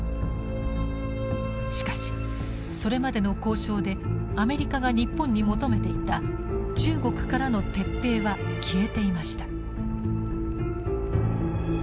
しかしそれまでの交渉でアメリカが日本に求めていた中国からの撤兵は消えていました。